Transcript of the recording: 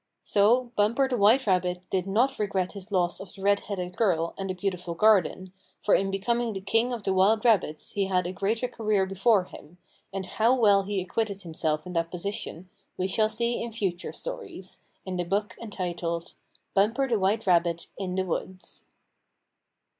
So Bumper the White Rabbit did not regret his loss of the red headed girl and the beautiful garden, for in becoming the king of the wild rabbits he had a greater career before him, and how well he acquitted himself in that position we shall see in future stories, in the book entitled "Bumper the White Rabbit in the Woods."